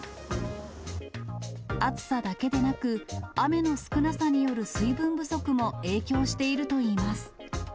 暑さだけでなく、雨の少なさによる水分不足も影響しているといいます。